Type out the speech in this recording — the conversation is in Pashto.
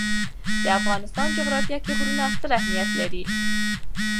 د افغانستان جغرافیه کې غرونه ستر اهمیت لري.